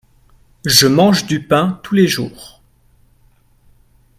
Je mange du pain tous les jours.